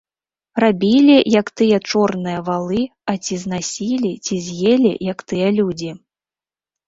Рабілі, як тыя чорныя валы, а ці знасілі, ці з'елі, як тыя людзі.